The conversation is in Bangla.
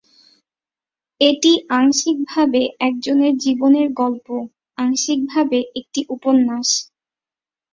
এটি আংশিকভাবে একজনের জীবনের গল্প, আংশিকভাবে একটি উপন্যাস।